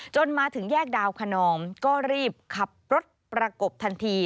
มาถึงแยกดาวคนนอมก็รีบขับรถประกบทันที